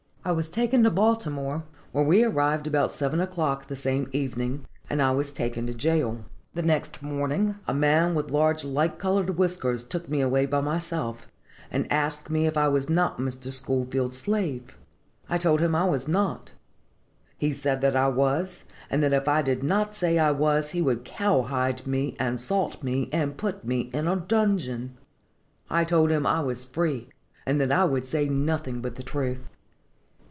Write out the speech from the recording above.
I was taken to Baltimore, where we arrived about seven o'clock the same evening, and I was taken to jail. "The next morning, a man with large light colored whiskers took me away by myself, and asked me if I was not Mr. Schoolfield's slave. I told him I was not; he said that I was, and that if I did not say I was he would 'cowhide me and salt me, and put me in a dungeon.' I told him I was free, and that I would say nothing but the truth."